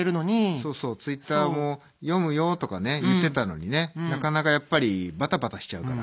そうそうツイッターも読むよとかね言ってたのにねなかなかやっぱりバタバタしちゃうから。